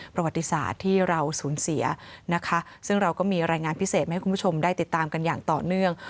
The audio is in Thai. ประวัติศาสตร์ที่เราสูญเสียนะคะซึ่งเราก็มีรายงานพิเศษมาให้คุณผู้ชมได้ติดตามกันอย่างต่อเนื่อง